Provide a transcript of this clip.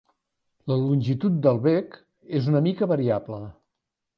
La longitud del bec és una mica variable.